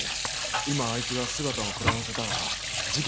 今あいつが姿をくらませたら事件が潰れます。